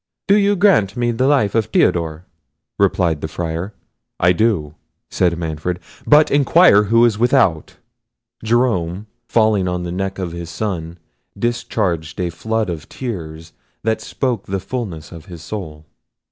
"Do you grant me the life of Theodore?" replied the Friar. "I do," said Manfred; "but inquire who is without!" Jerome, falling on the neck of his son, discharged a flood of tears, that spoke the fulness of his soul.